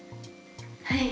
はい。